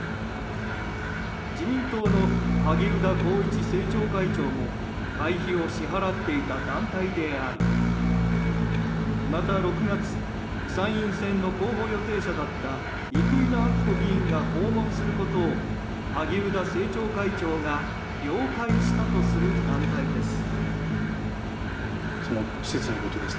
自民党の萩生田光一政調会長も会費を支払っていた団体でありまた６月参院選の候補予定者だった生稲晃子議員が訪問することを萩生田政調会長が了解したとする団体です。